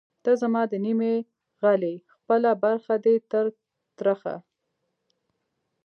ته زما د نیمې غل ئې خپله برخه دی تر ترخه